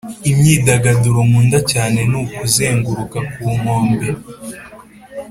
imyidagaduro nkunda cyane ni ukuzenguruka ku nkombe.